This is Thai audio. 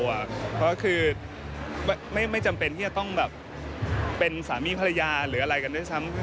เพราะคือไม่จำเป็นที่จะต้องแบบเป็นสามีภรรยาหรืออะไรกันด้วยซ้ำ